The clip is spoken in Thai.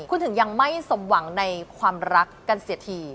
คุณถึงยังไม่สมหวังในความรักกันเสียที